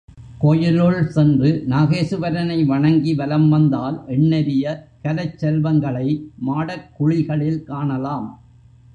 கோயிலுள் சென்று நாகேசுவரனை வணங்கி வலம் வந்தால் எண்ணரிய கலைச்செல்வங்களை மாடக் குழிகளில் காணலாம்.